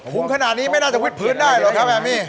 คุ้มขนาดนี้ไม่น่าจะวิทย์พื้นได้หรอครับแอมมี่